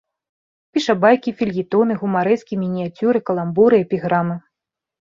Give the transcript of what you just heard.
Піша байкі, фельетоны, гумарэскі, мініяцюры, каламбуры, эпіграмы.